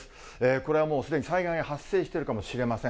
これはもうすでに災害が発生しているかもしれません。